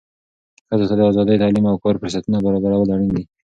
ښځو ته د آزادۍ، تعلیم او کار فرصتونه برابرول اړین دي.